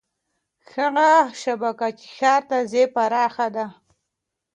هغه شبکه چې ښار ته ځي پراخه ده.